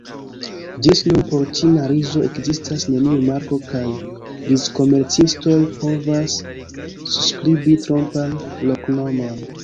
Ĝis nun por ĉina rizo ekzistas neniu marko kaj rizkomercistoj povas surskribi trompan loknomon.